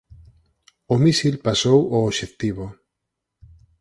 O mísil pasou o obxectivo.